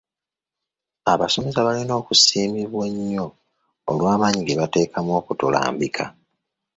Abasomesa balina okusiimibwa ennyo olw'amaanyi ge bateekamu okutulambika.